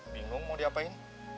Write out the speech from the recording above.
bingung mau diapain